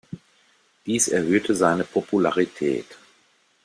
Dies erhöhte seine Popularität.